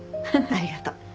ありがとう。